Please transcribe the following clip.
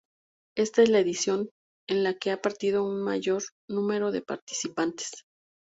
Esta es la edición en la que ha partido un mayor número de participantes.